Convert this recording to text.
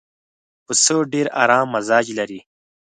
پسه ډېر ارام مزاج لري.